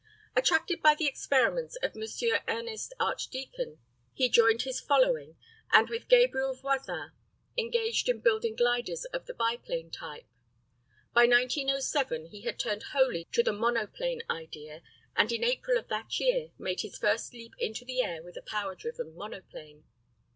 Attracted by the experiments of M. Ernest Archdeacon he joined his following, and with Gabriel Voisin engaged in building gliders of the biplane type. By 1907 he had turned wholly to the monoplane idea, and in April of that year made his first leap into the air with a power driven monoplane.